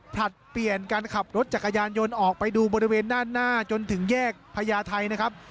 ผลัดเปลี่ยนการขับรถจักรยานยนต์ออกไปดูบริเวณด้านหน้าจนถึงแยกพญาไทยนะครับ